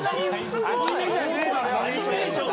アニメーションなんだ。